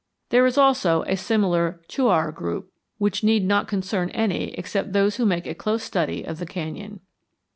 There is also a similar Chuar group, which need not concern any except those who make a close study of the canyon.